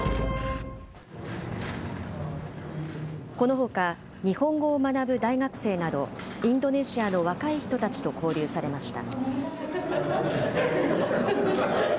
このほか日本語を学ぶ大学生など、インドネシアの若い人たちと交流されました。